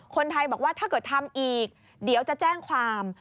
คนไทยบอกว่าถ้าเกิดทำอีกเดี๋ยวจะแจ้งความ